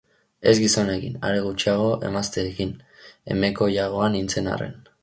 Ez gizonekin, are gutxiago emazteekin, emekoiagoa nintzen arren.